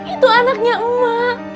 itu anaknya emak